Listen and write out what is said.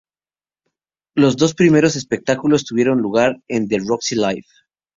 Los dos primeros espectáculos tuvieron lugar en "The Roxy Live!